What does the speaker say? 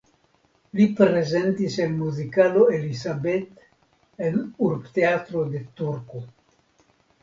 Li prezentis en muzikalo Elisabeth en urbteatro de Turku.